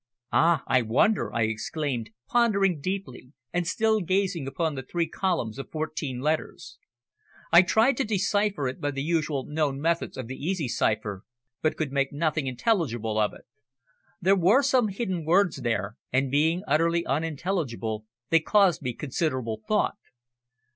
"Ah! I wonder," I exclaimed, pondering deeply, and still gazing upon the three columns of fourteen letters. I tried to decipher it by the usual known methods of the easy cipher, but could make nothing intelligible of it. There were some hidden words there, and being utterly unintelligible, they caused me considerable thought.